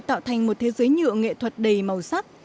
tạo thành một thế giới nhựa nghệ thuật đầy màu sắc